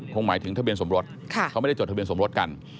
หมายถึงทะเบียนสมรสเขาไม่ได้จดทะเบียนสมรสกัน